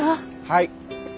はい。